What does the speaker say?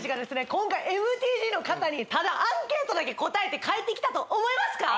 今回ＭＴＧの方にただアンケートだけして帰ってきたと思いますか？